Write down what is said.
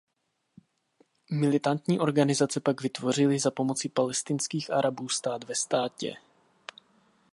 Militantní organizace pak vytvořily za pomoci palestinských Arabů stát ve státě.